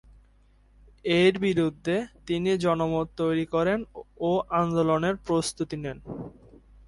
এর বিরুদ্ধে তিনি জনমত তৈরি করেন ও আন্দোলনের প্রস্তুতি নেন।